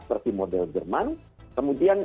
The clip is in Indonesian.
seperti model jerman kemudian